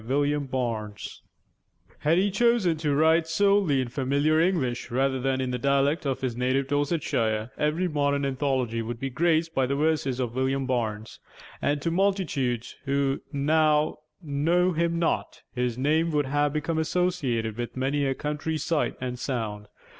WILLIAM BARNES (1800 1886) Had he chosen to write solely in familiar English, rather than in the dialect of his native Dorsetshire, every modern anthology would be graced by the verses of William Barnes, and to multitudes who now know him not, his name would have become associated with many a country sight and sound.